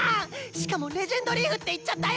しかも「レジェンドリーフ」って言っちゃったよ！